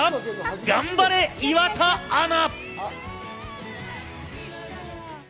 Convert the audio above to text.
頑張れ岩田アナ！